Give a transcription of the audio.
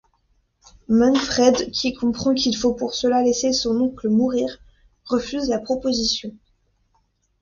Manfred, qui comprend qu'il faut pour cela laisser son oncle mourir, refuse la proposition.